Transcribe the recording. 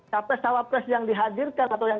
capres cawapres yang dihadirkan atau yang